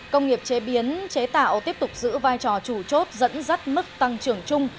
công nghiệp chế biến chế tạo tiếp tục giữ vai trò chủ chốt dẫn dắt mức tăng trưởng chung